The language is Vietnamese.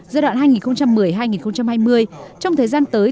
giai đoạn hai nghìn một mươi hai nghìn hai mươi trong thời gian tới